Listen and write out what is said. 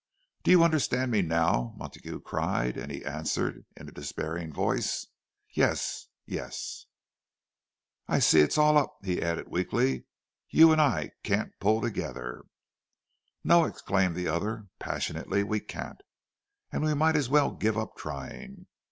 "Do you understand me now?" Montague cried; and he answered, in a despairing voice, "Yes, yes." "I see it's all up," he added weakly. "You and I can't pull together." "No," exclaimed the other, passionately, "we can't. And we might as well give up trying.